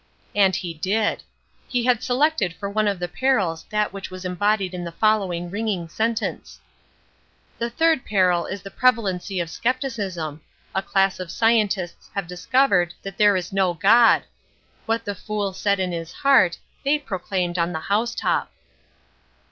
And he did. He had selected for one of the perils that which was embodied in the following ringing sentence: "The third peril is the prevelancy of skepticism. A class of scientists have discovered that there is no God! What the fool said in his heart they proclaimed on the house top!"